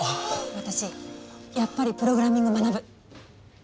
私やっぱりプログラミング学ぶ。